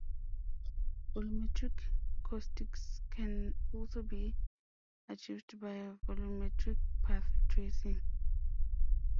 Volumetric caustics can also be achieved by volumetric path tracing.